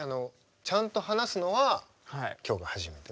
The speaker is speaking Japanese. ちゃんと話すのは今日が初めてね。